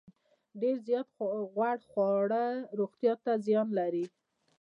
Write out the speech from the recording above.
ډیر زیات غوړ خواړه روغتیا ته زیان لري.